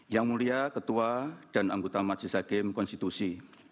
yang mulia ketua dan anggota majlis hakem konstitusi